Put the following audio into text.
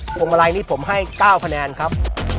พวงมาลัยนี้ผมให้๙คะแนนครับ